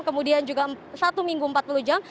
kemudian juga satu minggu empat puluh jam